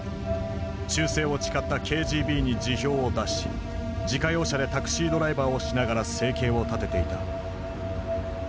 忠誠を誓ったＫＧＢに辞表を出し自家用車でタクシードライバーをしながら生計を立てていた。